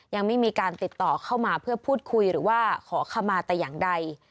ยังไม่มีการติดต่อเข้ามาเพื่อพูดคุยหรือว่าขอขมาแต่อย่างใด